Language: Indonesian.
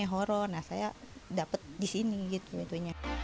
horror nah saya dapat di sini gitu